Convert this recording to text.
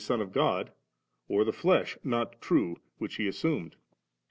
387 of God, or the flesh not true which He as sumed.